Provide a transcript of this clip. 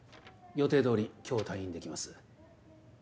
予定どおり今日退院できます。